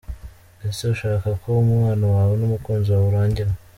Ese ushaka ko umubano wawe n’umukunzi wawe urangira ?.